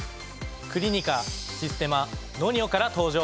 クリニカシステマＮＯＮＩＯから登場！